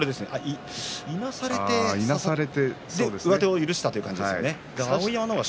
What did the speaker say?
いなされて上手を許したという感じですね。